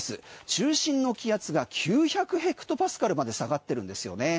中心の気圧が９００ヘクトパスカルまで下がってるんですよね。